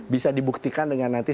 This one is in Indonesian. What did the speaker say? bisa dibuktikan dengan nanti